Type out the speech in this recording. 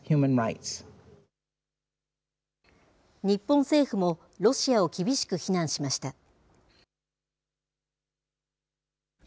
日本政府も、ロシアを厳しく非難しました。